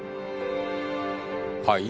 はい？